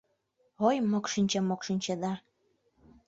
Ой, мокшинче, мокшинче да